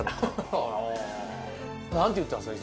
何て言ったんですか？